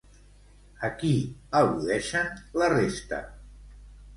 A qui al·ludeixen la resta?